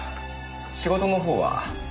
仕事のほうは？